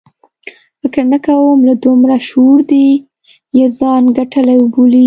فکر نه کوم له دومره شعور دې یې ځان ګټلی وبولي.